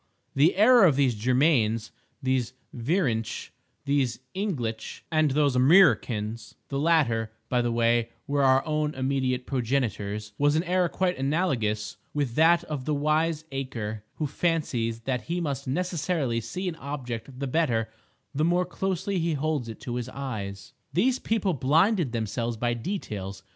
The error of these Jurmains, these Vrinch, these Inglitch, and these Amriccans (the latter, by the way, were our own immediate progenitors), was an error quite analogous with that of the wiseacre who fancies that he must necessarily see an object the better the more closely he holds it to his eyes. These people blinded themselves by details.